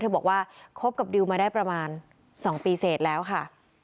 เธอบอกว่าคบกับดิวมาได้ประมาณสองปีเศษแล้วค่ะ